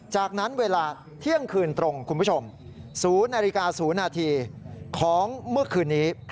จากนั้นเวลาเที่ยงคืนตรงคุณผู้ชม๐นาฬิกา๐นาทีของเมื่อคืนนี้